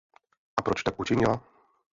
A proč tak učinila?